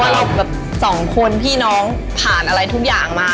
เราแบบสองคนพี่น้องผ่านอะไรทุกอย่างมา